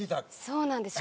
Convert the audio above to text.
そうなんです。